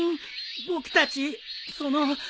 僕たちその。